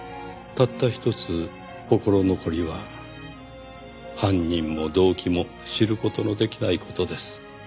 「たったひとつ心残りは犯人も動機も知る事のできない事です」